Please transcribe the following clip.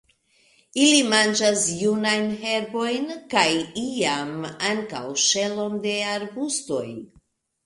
Ili manĝas junajn herbojn, kaj iam ankaŭ ŝelon de arbustoj.